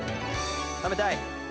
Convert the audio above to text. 食べたい！